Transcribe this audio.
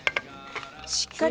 しっかり。